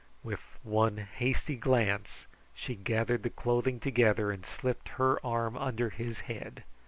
With one hasty glance she gathered the clothing together and slipped her arm under his head.